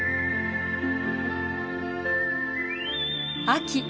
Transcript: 秋。